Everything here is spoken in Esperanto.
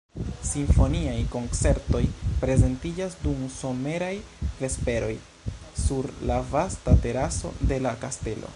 Simfoniaj koncertoj prezentiĝas dum someraj vesperoj sur la vasta teraso de la kastelo.